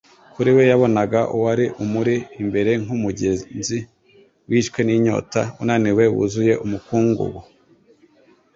Kuri we, yabonaga uwari umuri imbere nk’umugenzi wishwe n’inyota, unaniwe, wuzuye umukungugu